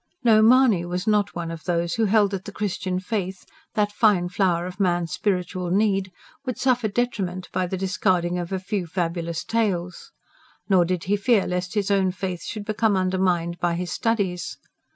No, Mahony was not one of those who held that the Christian faith, that fine flower of man's spiritual need, would suffer detriment by the discarding of a few fabulous tales; nor did he fear lest his own faith should become undermined by his studies.